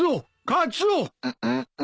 カツオ！ん。